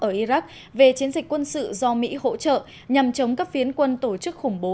ở iraq về chiến dịch quân sự do mỹ hỗ trợ nhằm chống các phiến quân tổ chức khủng bố